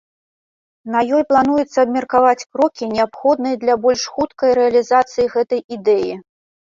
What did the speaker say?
На ёй плануецца абмеркаваць крокі, неабходныя для больш хуткай рэалізацыі гэтай ідэі.